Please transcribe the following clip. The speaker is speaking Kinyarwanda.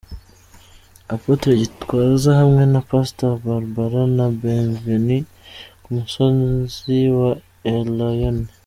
Apotre Gitwaza hamwe na Pastor Barbara na Bienvenu ku musozi wa Elayono.